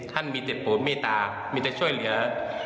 ท่านมีเจ็บปวดเมตตามีแต่ช่วยเหลือ